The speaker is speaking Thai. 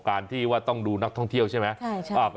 การที่ว่าต้องดูนักท่องเที่ยวใช่ไหม